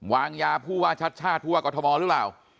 วางยาผู้ว่าชัดชาติผู้ว่ากรทมหรือเปล่า